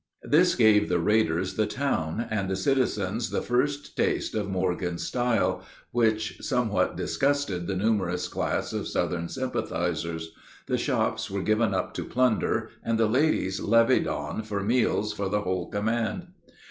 This gave the raiders the town, and the citizens the first taste of Morgan's style, which somewhat disgusted the numerous class of Southern sympathizers. The shops were given up to plunder, and the ladies levied on for meals for the whole command.